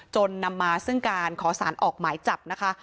นำมาซึ่งการขอสารออกหมายจับนะคะ